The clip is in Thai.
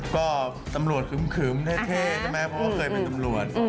ก็ตำรวจขึมเท่ใช่ไหมเพราะว่าเคยเป็นตำรวจ